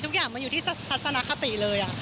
ทุกอย่างมันอยู่ที่ทัศนคติเลย